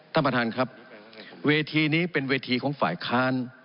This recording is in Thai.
ท่านประธานครับเวทีนี้เป็นเวทีของฝ่ายค้าน